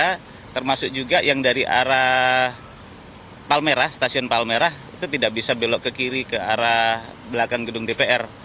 karena termasuk juga yang dari arah palmera stasiun palmera itu tidak bisa belok ke kiri ke arah belakang gedung dpr